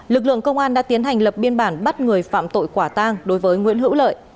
lực lượng công an đã tiến hành lập biên bản bắt người phạm tội quả tang đối với nguyễn hữu lợi